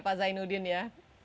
pak zainuddin ya